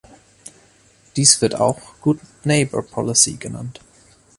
Dies wird auch "Good Neighbor Policy" genannt.